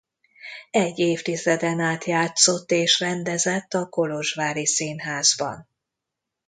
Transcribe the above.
Egy évtizeden át játszott és rendezett a kolozsvári színházban.